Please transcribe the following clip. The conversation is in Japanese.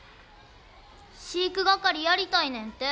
飼育係やりたいねんて。